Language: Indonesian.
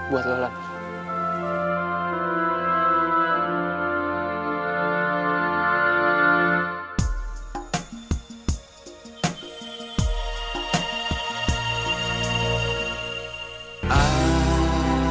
buat lo lah